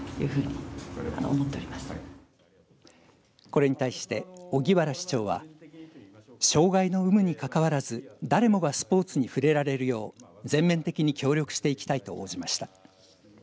これに対して、荻原市長は障害の有無にかかわらず誰もがスポーツに触れられるよう全面的に協力していきたいと応じました。